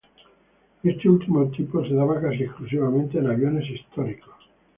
Este último tipo se daba casi exclusivamente en aviones históricos.